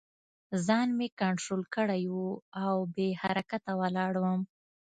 ځان مې کنترول کړی و او بې حرکته ولاړ وم